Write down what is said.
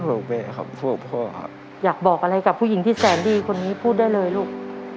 รักแม่ความหกพ่ออยากบอกอะไรกับผู้หญิงที่แสนนี่คนนี้พูดได้เลยลูก